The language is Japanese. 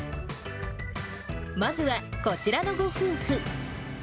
まずはこちらのご夫婦。